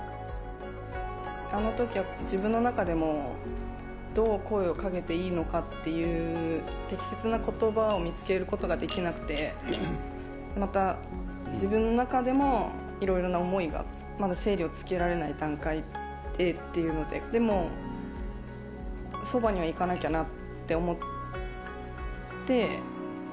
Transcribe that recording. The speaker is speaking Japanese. あのときはやっぱ自分の中でも、どう声をかけていいのかっていう、適切なことばを見つけることができなくて、また、自分の中でもいろいろな思いが、まだ整理をつけられない段階でっていうので、でも、そばには行かなきゃなって思って。